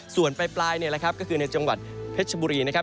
ส่วนปลายนี่แหละครับก็คือในจังหวัดเพชรชบุรีนะครับ